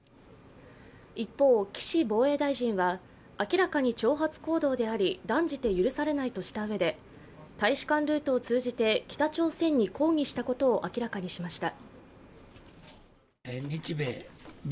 一方、岸防衛大臣は、明らかに挑発行動であり断じて許されないとしたうえで、大使館ルートを通じて北朝鮮に抗議したことを明らかにしました。